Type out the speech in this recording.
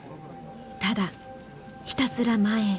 ただひたすら前へ。